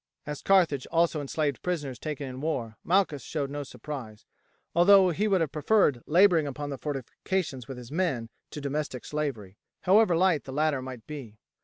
As Carthage also enslaved prisoners taken in war Malchus showed no surprise, although he would have preferred labouring upon the fortifications with his men to domestic slavery, however light the latter might be.